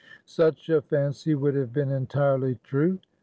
Such a fancy would have been entirely true.